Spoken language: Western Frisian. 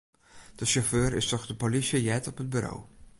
De sjauffeur is troch de polysje heard op it buro.